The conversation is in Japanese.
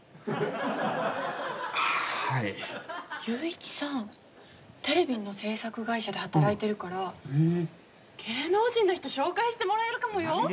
ユウイチさんテレビの制作会社で働いてるから芸能人の人紹介してもらえるかもよ！